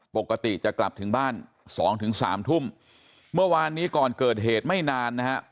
ปกติจะกลับถึงบ้านสองถึงสามทุ่มเมื่อวานนี้ก่อนเกิดเหตุไม่นานนะฮะ